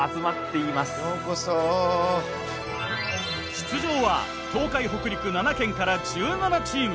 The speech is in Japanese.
出場は東海北陸７県から１７チーム。